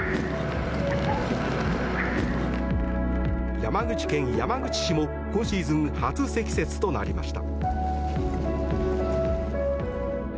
山口県山口市も今シーズン初積雪となりました。